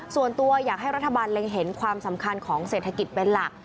ส่วนตัวอยากให้รัฐบาลเล็งเห็นความสำคัญของเศรษฐกิจเป็นหลัก